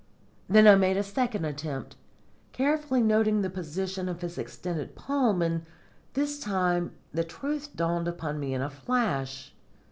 Then I made a second attempt, carefully noting the position of his extended palm, and this time the truth dawned upon me in a flash.